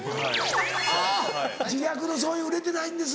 あっ自虐のそういう「売れてないんです